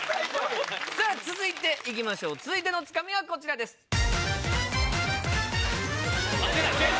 さぁ続いていきましょう続いてのツカミはこちらです。・あっ！